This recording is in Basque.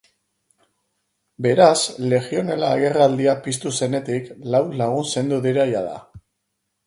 Beraz, legionella-agerraldia piztu zenetik lau lagun zendu dira jada.